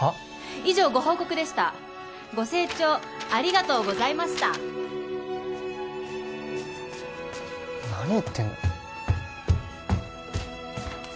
以上ご報告でしたご清聴ありがとうございました何言ってんの？